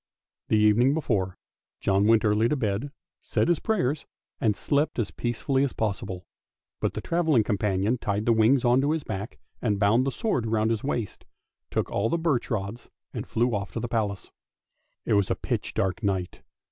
The evening before, John went early to bed, said his prayers, and slept as peacefully as possible ; but the travelling companion tied the wings on to his back, and bound the sword round his waist, took all the birch rods, and flew off to the Palace. It was a pitch dark night.